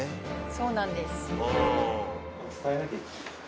そうなんです。